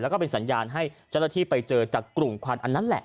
แล้วก็เป็นสัญญาณให้เจ้าหน้าที่ไปเจอจากกลุ่มควันอันนั้นแหละ